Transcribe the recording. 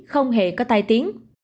không hề có tai tiếng